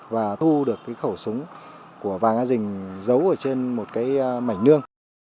và thu được cái khẩu súng của vàng a dình giấu ở trên một cái mảnh nương